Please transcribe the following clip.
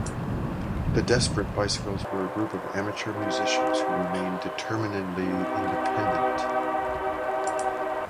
The Desperate Bicycles were a group of amateur musicians who remained determinedly independent.